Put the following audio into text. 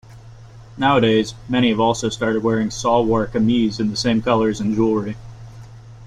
Nowadays many have also started wearing salwar kameez in the same colours and jewellery.